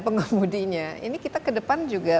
pengemudinya ini kita ke depan juga